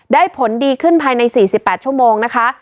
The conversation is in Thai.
ผลดีขึ้นภายใน๔๘ชั่วโมงนะคะ